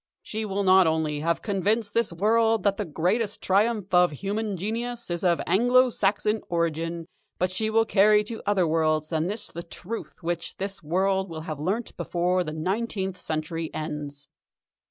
She will not only have convinced this world that the greatest triumph of human genius is of Anglo Saxon origin, but she will carry to other worlds than this the truth which this world will have learnt before the nineteenth century ends.